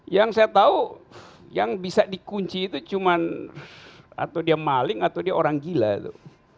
yang saya tahu yang bisa dikunci itu cuma atau dia maling atau dia orang gila tuh